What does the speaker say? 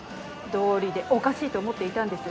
どうりでおかしいと思っていたんです。